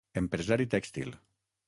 Empresari tèxtil.